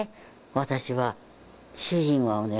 私は主人をね